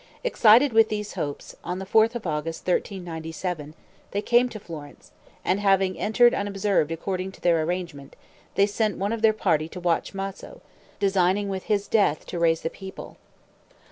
Excited with these hopes, on the fourth of August, 1397, they came to Florence, and having entered unobserved according to their arrangement, they sent one of their party to watch Maso, designing with his death to raise the people.